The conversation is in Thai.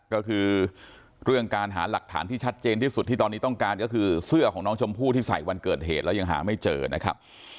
ก็คือเรื่องการหาหลักฐานที่ชัดเจนที่สุดที่ตอนนี้ต้องการก็คือเสื้อของน้องชมพู่ที่ใส่วันเกิดเหตุแล้วยังหาไม่เจอนะครับ